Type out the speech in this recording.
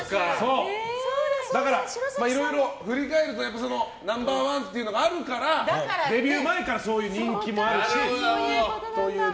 いろいろ振り返るとナンバー１っていうのがあるからデビュー前からそういう人気もあるしね。